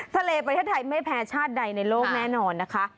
ทะเลประเทศไทยไม่แพ้ชาติใดในโลกแน่นอนนะคะ